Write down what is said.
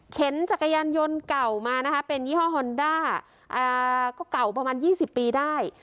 จักรยานยนต์เก่ามานะคะเป็นยี่ห้อฮอนด้าก็เก่าประมาณ๒๐ปีได้